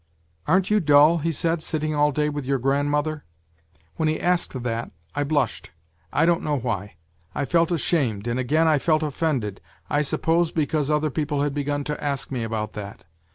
"' Aren't you dull,' he said, ' sitting all day with your grand mother ?'" When he asked that, I blushed, I don't know why; I felt ashamed, and again I felt offended I suppose because other people had begun to ask me about that.